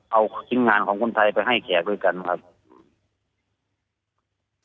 เอาชิ้นงานของคนไทยไปให้แขกด้วยกันครับ